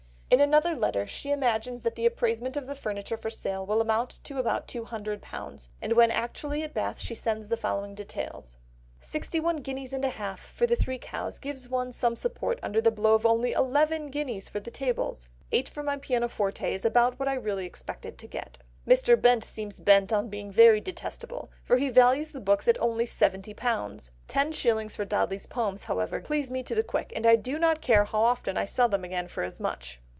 In another letter she imagines that the appraisement of the furniture for sale will amount to about two hundred pounds, and when actually at Bath she sends the following details:— "Sixty one guineas and a half for the three cows gives one some support under the blow of only eleven guineas for the tables. Eight for my pianoforte is about what I really expected to get." "Mr. Bent seems bent upon being very detestable, for he values the books at only seventy pounds. Ten shillings for Dodsley's Poems, however, please me to the quick, and I do not care how often I sell them again for as much."